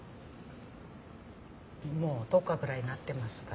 もう１０日ぐらいなってますから。